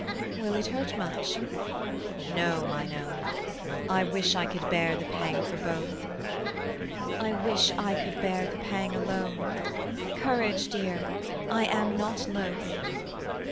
"Will it hurt much?" "No, mine own: I wish I could bear the pang for both." "I wish I could bear the pang alone: Courage, dear, I am not loth."